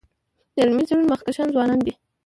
د علمي څيړنو مخکښان ځوانان دي.